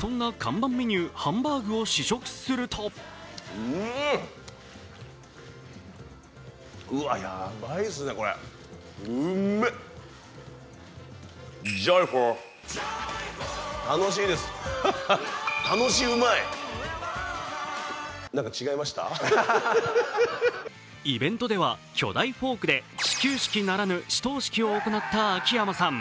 そんな看板メニュー、ハンバーグを試食するとイベントでは巨大フォークで始球式ならぬ始投式を行った秋山さん。